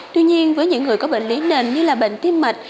tuy nhiên với những người có bệnh lý nền như là bệnh tim mạch